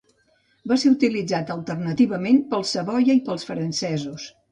Va ser utilitzat alternativament pels Savoia i pels francesos.